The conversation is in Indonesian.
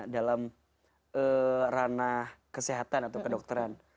dalam ranah kesehatan atau kedokteran